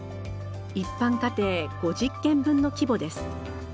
一般家庭５０軒分の規模です。